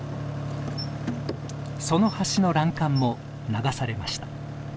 その橋の欄干も流されました。